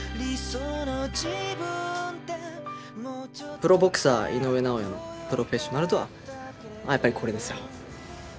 プロボクサー、井上尚弥のプロフェッショナルとはやっぱり、これですよ。